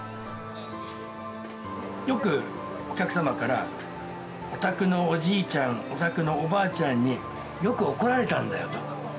よくお客様からお宅のおじいちゃんお宅のおばあちゃんによく怒られたんだよと。